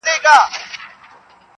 • فیصله د خلقت وکړه د انسان -